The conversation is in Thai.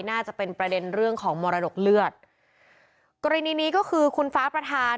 น่าจะเป็นประเด็นเรื่องของมรดกเลือดกรณีนี้ก็คือคุณฟ้าประธาน